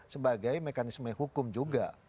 sebagai mekanisme hukum juga